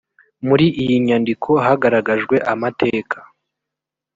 muri iyi nyandiko hagaragajwe amateka